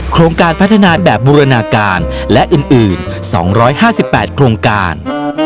โครงการพัฒนาแบบบูรณาการและอื่น๒๕๘โครงการ